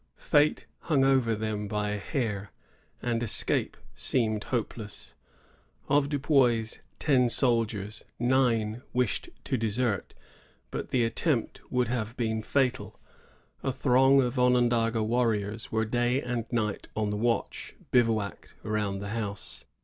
Fate hung over them by a hair, and escape seemed hopeless. Of Du Puys's ten soldiers, nine wished to desert; but the attempt would have been fatal. A throng of Onondaga warriors were day and night on the watch, bivouacked around the house.